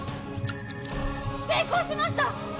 成功しました！